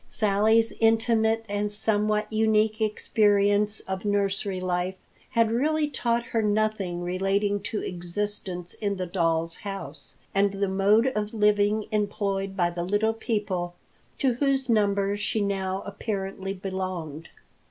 Sally's intimate and somewhat unique experience of nursery life had really taught her nothing relating to existence in the doll's house, and the mode of living employed by the little people to whose number she now apparently belonged.